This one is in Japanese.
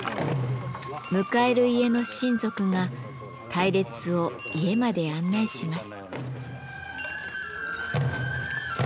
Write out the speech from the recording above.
迎える家の親族が隊列を家まで案内します。